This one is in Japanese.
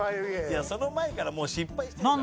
「いやその前からもう失敗してるから」